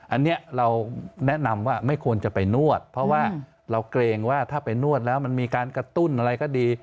อันนี้เราแนะนำว่าไม่ควรจะไปนวดเพราะว่าเราเกรงว่าถ้าไปนวดแล้วมันมีการกระตุ้นอะไรก็ดี